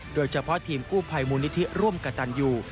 โดยเฉพาะทีมกู้ภัยมูลนิธิร่วมกระตันอยู่